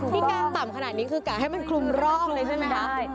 กล้างต่ำขนาดนี้คือกะให้มันคลุมรอกเลยใช่ไหมคะ